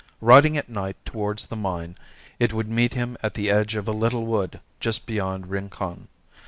Riding at night towards the mine, it would meet him at the edge of a little wood just beyond Rincon.